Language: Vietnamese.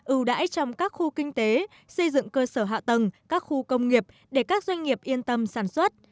ưu đãi trong các khu kinh tế xây dựng cơ sở hạ tầng các khu công nghiệp để các doanh nghiệp yên tâm sản xuất